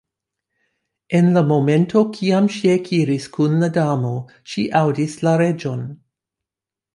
En la momento kiam ŝi ekiris kun la Damo, ŝi aŭdis la Reĝon.